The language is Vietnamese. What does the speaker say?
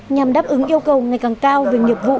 nhằm đáp ứng yêu cầu ngày càng cao về nghiệp vụ